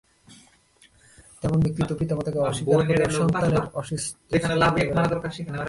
তেমন ব্যক্তি তো পিতা-মাতাকে অস্বীকার করিয়াও সন্তানের অস্তিত্ব স্বীকার করিতে পারে।